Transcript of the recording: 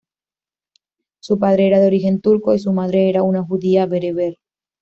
Su padre era de origen turco, y su madre era una judía bereber.